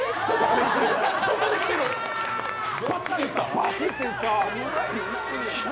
バチっていった！